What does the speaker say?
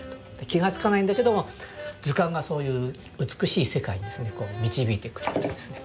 気が付かないんだけども図鑑がそういう美しい世界に導いてくれるというですね